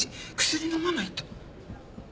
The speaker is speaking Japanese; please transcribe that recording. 薬飲まないと。